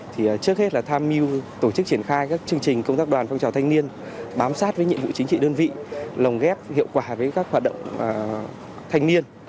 thì trước hết là tham mưu tổ chức triển khai các chương trình công tác đoàn phong trào thanh niên bám sát với nhiệm vụ chính trị đơn vị lồng ghép hiệu quả với các hoạt động thanh niên